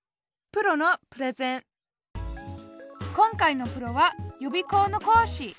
今回のプロは予備校の講師。